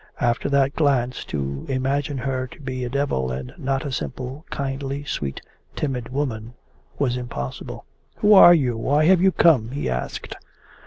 After that glance to imagine her to be a devil and not a simple, kindly, sweet, timid woman, was impossible. 'Who are you? Why have you come?' he asked.